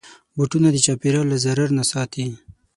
بوټونه د چاپېریال له ضرر نه ساتي.